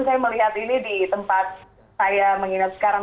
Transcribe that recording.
saya melihat ini di tempat saya menginap sekarang